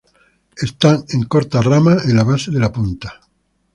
Están en cortas ramas en la base de la punta.